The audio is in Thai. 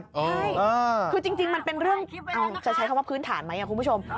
ใช่คือจริงมันเป็นเรื่องจะใช้คำว่าพื้นฐานไหมคุณผู้ชม